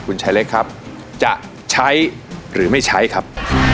คุณชายเล็กครับจะใช้หรือไม่ใช้ครับ